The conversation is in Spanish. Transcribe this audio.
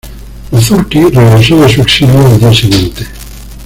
Marzouki regresó de su exilio al día siguiente.